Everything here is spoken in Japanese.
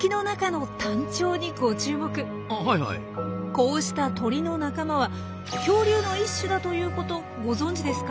こうした鳥の仲間は恐竜の一種だということご存じですか？